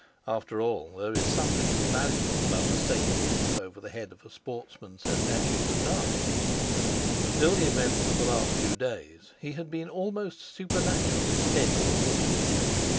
After all, there is something invaluable about a safe roof over the head of a sportsman so dashing as Dartie. Until the events of the last few days he had been almost supernaturally steady all this year.